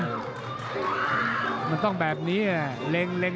มันต้องแบบนี้เล็ง